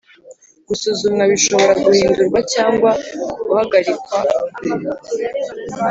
gusuzumwa bishobora guhindurwa cyangwa guhagarikwa